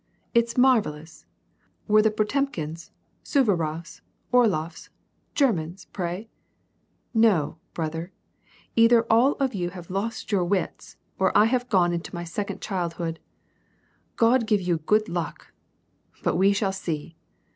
"It's marvellous! Were the Potemkins, Suvarofs, Orlofs, Germans, pray ? No, brother, either all of you have lost your wits, or I have gone into my second childhood. God give you good luck ! but we shall see.